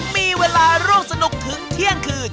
มีเวลาร่วมสนุกถึงเที่ยงคืน